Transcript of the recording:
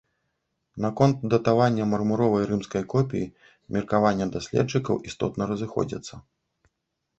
Наконт датавання мармуровай рымскай копіі меркавання даследчыкаў істотна разыходзяцца.